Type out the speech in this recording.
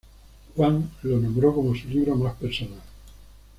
Wang lo nombró como su libro más personal.